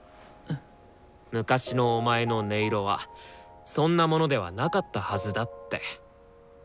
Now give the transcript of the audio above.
「昔のお前の音色はそんなものではなかったはずだ」って。